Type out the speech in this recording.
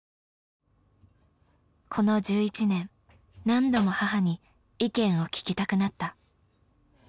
この１１年何度も母に意見を聞きたくなった。